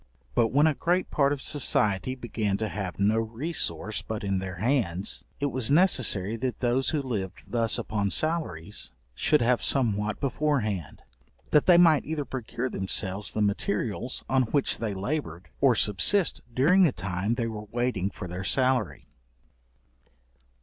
But when a great part of society began to have no resource but in their hands, it was necessary that those who lived thus upon salaries, should have somewhat before hand, that they might either procure themselves the materials on which they laboured, or subsist during the time they were waiting for their salary.